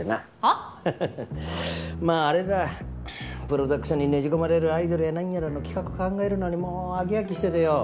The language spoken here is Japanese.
アハハハッまああれだプロダクションにねじ込まれるアイドルや何やらの企画考えるのにもう飽き飽きしててよ。